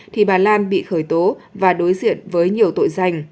thì bà lan bị khởi tố và đối diện với dân